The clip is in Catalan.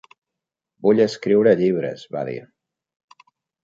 "Vull escriure llibres", va dir.